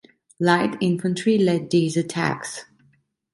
Light infantry led these attacks.